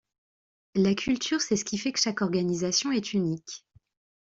La culture, c'est ce qui fait que chaque organisation est unique.